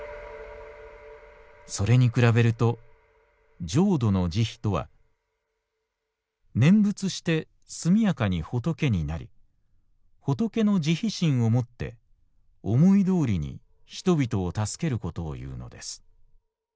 「それに比べると浄土の慈悲とは念仏して速やかに仏になり仏の慈悲心をもって思いどおりに人々を助けることを言うのです」。